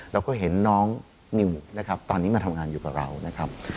เราก็เห็นน้องนิวนะครับตอนนี้มาทำงานอยู่กับเรานะครับ